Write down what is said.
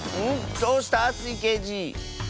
どうした⁉スイけいじ。